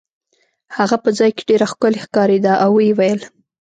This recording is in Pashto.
هغه په ځای کې ډېره ښکلې ښکارېده او ویې ویل.